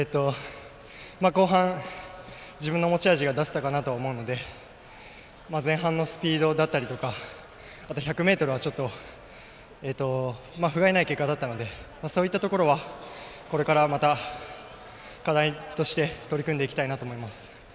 後半、自分の持ち味が出せたかなと思うので前半のスピードだったりとかあと１００ｍは、ちょっとふがいない結果だったのでそういったところはこれからまた課題として取り組んでいきたいなと思います。